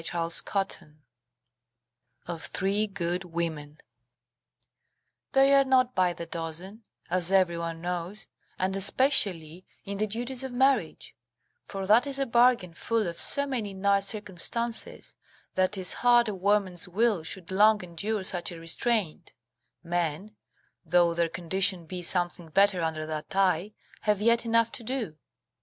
CHAPTER XXXV OF THREE GOOD WOMEN They are not by the dozen, as every one knows, and especially in the duties of marriage, for that is a bargain full of so many nice circumstances that 'tis hard a woman's will should long endure such a restraint; men, though their condition be something better under that tie, have yet enough to do.